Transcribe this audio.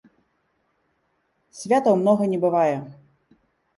Святаў многа не бывае!